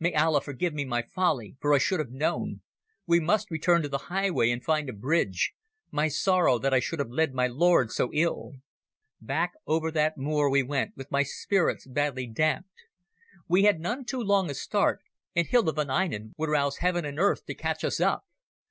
"May Allah forgive my folly, for I should have known. We must return to the highway and find a bridge. My sorrow, that I should have led my lords so ill." Back over that moor we went with my spirits badly damped. We had none too long a start, and Hilda von Einem would rouse heaven and earth to catch us up.